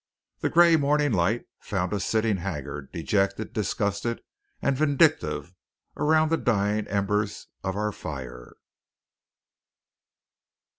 The gray morning light found us sitting haggard, dejected, disgusted, and vindictive around the dying embers of our fire.